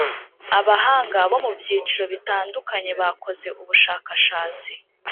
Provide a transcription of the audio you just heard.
Abahanga bo mu byiciro bitandukanye bakoze ubushakashatsi